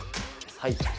はい。